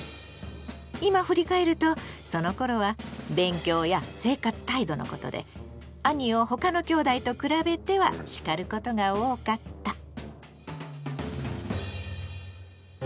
今振り返るとそのころは勉強や生活態度のことで兄を他のきょうだいと比べては叱ることが多かった。